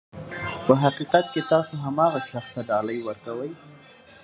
په حقیقت کې تاسو هماغه شخص ته ډالۍ ورکوئ.